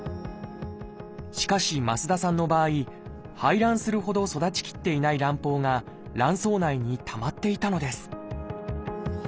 しかし増田さんの場合排卵するほど育ちきっていない卵胞が卵巣内にたまっていたのです